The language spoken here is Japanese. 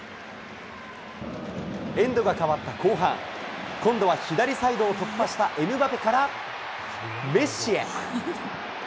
エンドが変わった後半、今度は左サイドを突破したエムバペからメッシへ。